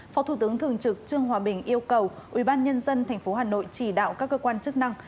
phó thủ tướng thường trực trương hòa bình yêu cầu ubnd tp hà nội chỉ đạo các cơ quan chức năng